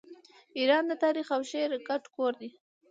ایران د تاریخ او شعر ګډ کور دی.